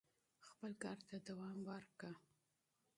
خپل کار ته دوام ورکړو.